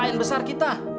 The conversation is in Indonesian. terlain besar kita